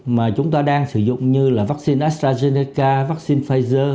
mà chúng ta đang sử dụng như là vaccine nastrazeneca vaccine pfizer